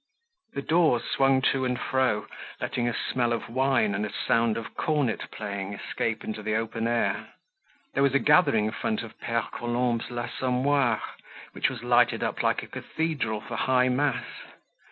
The doors swung to and fro, letting a smell of wine and a sound of cornet playing escape into the open air. There was a gathering in front of Pere Colombe's l'Assommoir, which was lighted up like a cathedral for high mass.